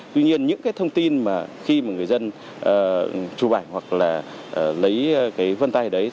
tuy nhiên những cái thông tin mà khi mà người dân chụp ảnh hoặc là lấy cái vân tay đấy